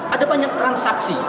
ada banyak transaksi